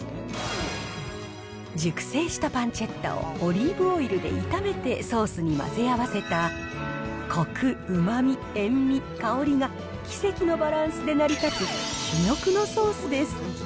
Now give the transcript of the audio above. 熟成したパンチェッタをオリーブオイルで炒めてソースに混ぜ合わせた、こく、うまみ、塩味、香りが奇跡のバランスで成り立つ珠玉のソースです。